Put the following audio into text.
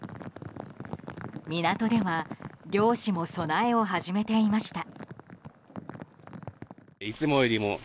港では漁師も備えを始めていました。